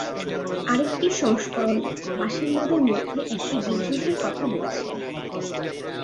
আরেকটি সংস্করণ, বাসিন্দাদের মধ্যে একটি বিদ্রোহের কথা বলছে।